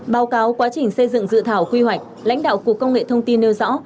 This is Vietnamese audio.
báo cáo quá trình xây dựng dự thảo quy hoạch lãnh đạo cục công nghệ thông tin nêu rõ